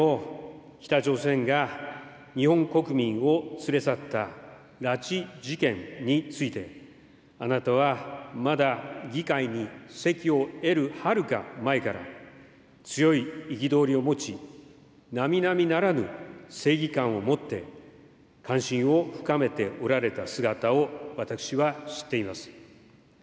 何よりも北朝鮮が日本国民を連れ去った拉致事件について、あなたはまだ議会に席を得るはるか前から強い憤りを持ち、並々ならぬ正義感を持って関心を深めておられた姿を私は知っています。